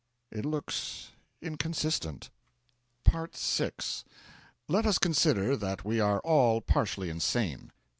It looks inconsistent. VI Let us consider that we are all partially insane.